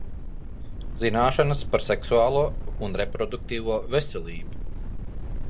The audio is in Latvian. Zināšanas par seksuālo un reproduktīvo veselību.